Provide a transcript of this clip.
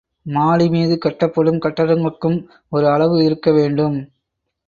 மாடிமீது கட்டப்படும் கட்டடங்களுக்கும் ஒரு அளவு இருக்க வேண்டும்.